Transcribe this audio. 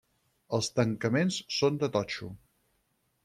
Els tancaments són de totxo.